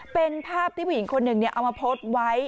เป็นภาพที่ผู้หญิงคนหนึ่งเอามาโพสต์ไว้